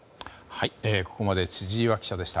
ここまで千々岩記者でした。